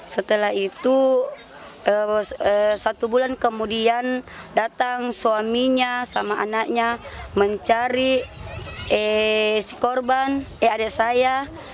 setelah itu satu bulan kemudian datang suaminya sama anaknya mencari si korban e adik saya